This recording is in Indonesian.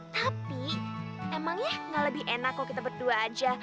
tapi emangnya gak lebih enak kalau kita berdua aja